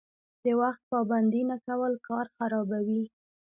د وخت پابندي نه کول کار خرابوي.